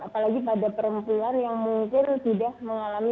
apalagi pada perempuan yang mungkin sudah mengalami